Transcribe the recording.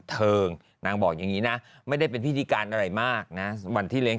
เทิงนางบอกอย่างนี้นะไม่ได้เป็นพิธีการอะไรมากนะวันที่เลี้ย